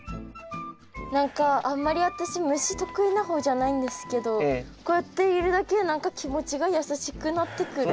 何かあんまり私虫得意な方じゃないんですけどこうやっているだけで何か気持ちが優しくなってくる。